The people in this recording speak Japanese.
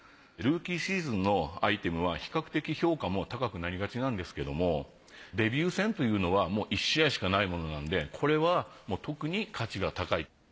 ルーキーシーズンのアイテムは比較的評価も高くなりがちなんですけどもデビュー戦というのはもう１試合しかないものなんでこれは特に価値が高い。